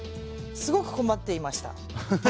すごく困っていました。